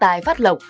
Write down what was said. tài phát lộc